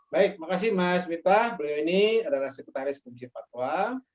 beliau ini adalah sekretaris kecil patwa